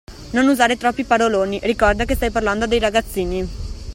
Non usare troppi paroloni, ricorda che stai parlando a dei ragazzini!